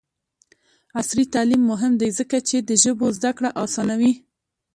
عصري تعلیم مهم دی ځکه چې د ژبو زدکړه اسانوي.